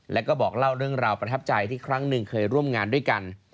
แล้วก็บอกเล่าเรื่องราวประทับใจที่ครั้งหนึ่งเคยร่วมงานด้วยกัน